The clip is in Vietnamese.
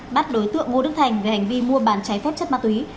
bắt đối tượng ngô đức thành về hành vi mua bàn cháy phép chất ma túy